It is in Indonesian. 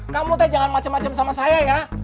kamu teh jangan macem macem sama saya ya